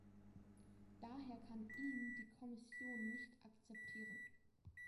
Daher kann ihn die Kommission nicht akzeptieren.